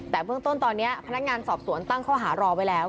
แต่เบื้องต้นตอนนี้พนักงานสอบสวนตั้งข้อหารอไว้แล้ว